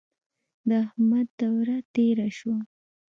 د احمد دوره تېره شوه.